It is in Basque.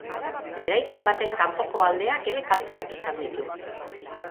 Eraikin baten kanpoko aldeak ere kalteak izan ditu.